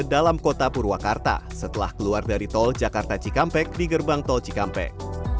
dalam kota purwakarta setelah keluar dari tol jakarta cikampek di gerbang tol cikampek